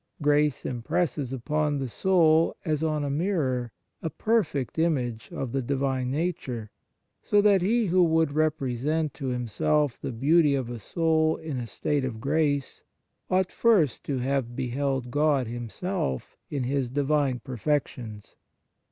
Grace impresses upon the soul, as on a mirror, a perfect image of the Divine Nature, so that he who would represent to himself the beauty of a soul in a state of grace ought first to have beheld God Him self in His Divine perfections.